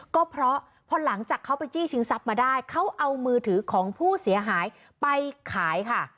ก็เพราะพอหลังจากเขาไปจี้ชิงทรัพย์มาได้เขาเอามือถือของผู้เสียหายไปขายค่ะ